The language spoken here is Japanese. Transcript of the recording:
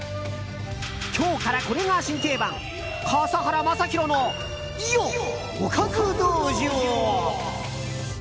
今日からこれが新定番笠原将弘のおかず道場。